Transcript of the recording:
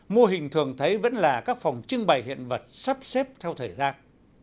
mô hình thường thấy vẫn là các phòng trưng bày hiện vật sắp xếp theo thời gian